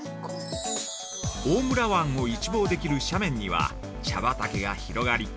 大村湾を一望できる斜面には茶畑が広がり